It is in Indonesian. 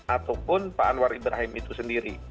ataupun pak anwar ibrahim itu sendiri